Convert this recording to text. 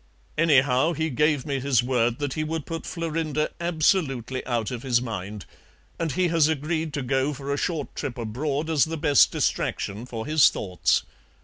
Anyhow, he gave me his word that he would put Florinda absolutely out of his mind, and he has agreed to go for a short trip abroad as the best distraction for his thoughts.